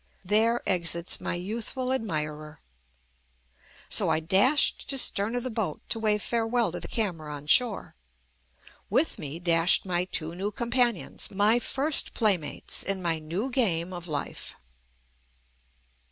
There exits my youthful admirer. So I dashed to stern of the boat to wave farewell to the camera on shore. With me dashed my two new companions, my first playmates in my new game of life.